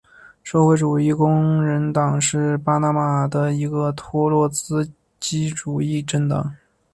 社会主义工人党是巴拿马的一个托洛茨基主义政党。